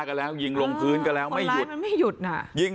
ก็แล้วยิงลงพื้นก็แล้วไม่หยุดมันไม่หยุดน่ะยิง